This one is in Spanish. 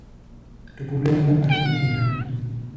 República Argentina.